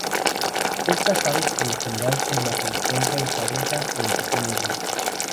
Estas aves por lo general se las encuentra en parejas o pequeños grupos.